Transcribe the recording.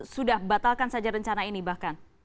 sudah batalkan saja rencana ini bahkan